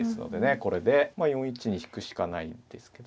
これで４一に引くしかないんですけど。